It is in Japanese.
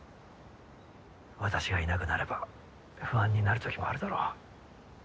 私がいなくなれば不安になる時もあるだろう。